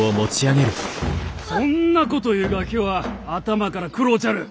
そんなこと言うガキは頭から食ろうちゃる！